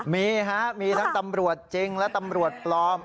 มีฮะมีทั้งตำรวจจริงและตำรวจปลอม